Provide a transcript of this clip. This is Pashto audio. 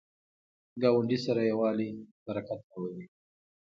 ګاونډي سره یووالی، برکت راولي